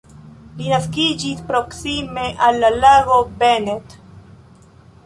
Li naskiĝis proksime al la lago Bennett.